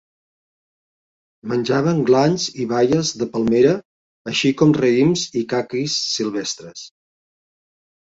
Menjaven glans i baies de palmera així com raïms i caquis silvestres.